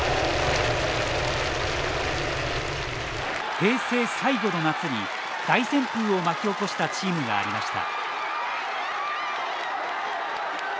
平成最後の夏に大旋風を巻き起こしたチームがありました。